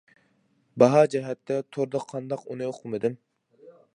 باھا جەھەتتە توردا قانداق ئۇنى ئۇقمىدىم.